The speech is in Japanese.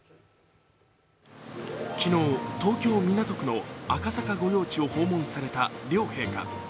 昨日、東京・港区の赤坂御用地を訪問された両陛下。